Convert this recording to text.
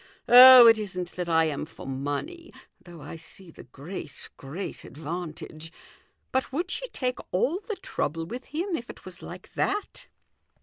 Oh, it isn't that I am for money, though I see the great, great advantage. But would she take all the trouble with him if it was like that?"